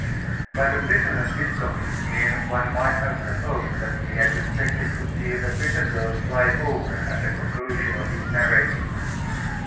By the prisoner's discomfited mien one might have supposed that he had expected to see the prison doors fly open at the conclusion of his narrative.